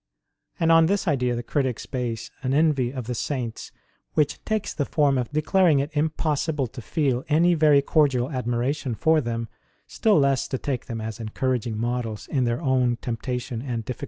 And on this idea the critics base an envy of the Saints which takes the form of declaring it impossible to feel any very cordial admiration for them, still less to take them as encouraging models in their own temptation and difficulties.